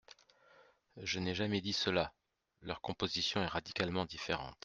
Je n’ai jamais dit cela ! Leur composition est radicalement différente.